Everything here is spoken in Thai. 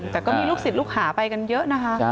แต่ก็มีลูกศิษย์ลูกหาไปกันเยอะนะคะ